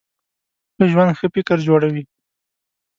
ښه ژوند ښه فکر جوړوي.